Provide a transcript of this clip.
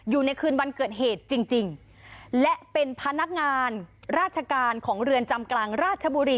อยู่ในคืนวันเกิดเหตุจริงจริงและเป็นพนักงานราชการของเรือนจำกลางราชบุรี